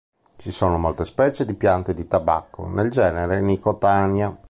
Ci sono molte specie di piante di tabacco, nel genere "Nicotiana".